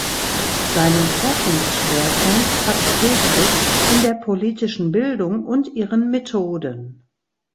Seinen Forschungsschwerpunkt hat Petrik in der politischen Bildung und ihren Methoden.